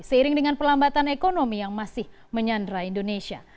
seiring dengan perlambatan ekonomi yang masih menyandra indonesia